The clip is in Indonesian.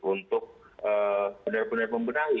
untuk benar benar membenahi